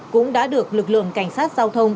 cũng đã được lực lượng cảnh sát giao thông